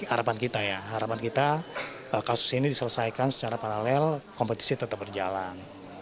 harapan kita ya harapan kita kasus ini diselesaikan secara paralel kompetisi tetap berjalan